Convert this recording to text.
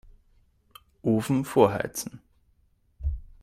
Ofen vorheizen.